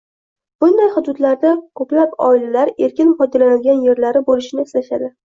bunday hududlarda ko‘plab oilalar erkin foydalanadigan yerlari bo‘lishini istashadi